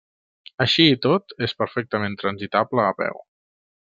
Així i tot és perfectament transitable a peu.